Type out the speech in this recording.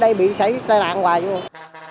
ở đây bị xảy tên nạn hoài chứ không